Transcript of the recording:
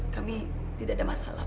kami tidak ada masalah